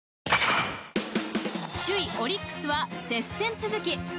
首位オリックスは接戦続き。